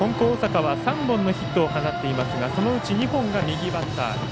大阪は３本のヒットを放っていますがそのうち２本が右バッター。